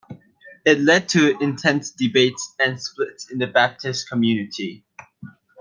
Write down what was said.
It led to intense debates and splits in the Baptist community.